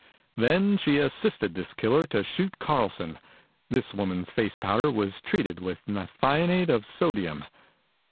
Then she assisted this killer to shoot Carlson. This woman's face powder was treated with naphthionate of sodium.